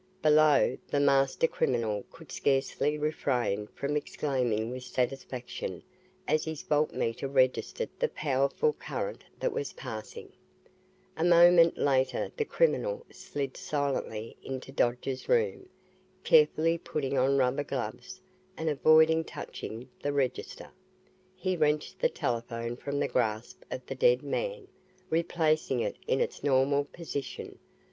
Below, the master criminal could scarcely refrain from exclaiming with satisfaction as his voltmeter registered the powerful current that was passing. A moment later the criminal slid silently into Dodge's room. Carefully putting on rubber gloves and avoiding touching the register, he wrenched the telephone from the grasp of the dead man, replacing it in its normal position.